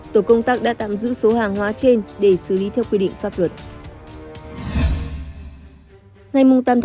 tổ công tác đã tạm giữ số hàng hóa trên để xử lý theo quy định pháp luật